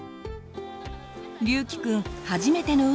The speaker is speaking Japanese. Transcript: りゅうきくん初めての海。